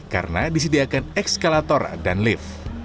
karena disediakan ekskalator dan lift